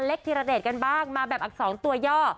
อเล็กที่ระเด็ดกันบ้างมาแบบอัก๒ตัวย่อ